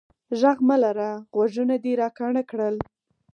ږغ مه لره، غوږونه دي را کاڼه کړل.